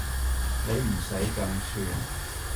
你唔使咁串